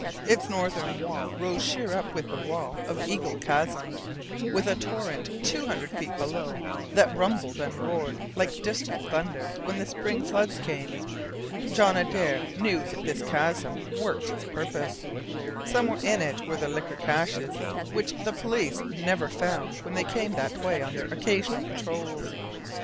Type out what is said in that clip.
Its northern wall rose sheer up with the wall of Eagle Chasm, with a torrent two hundred feet below that rumbled and roared like distant thunder when the spring floods came. John Adare knew that this chasm worked its purpose. Somewhere in it were the liquor caches which the police never found when they came that way on their occasional patrols.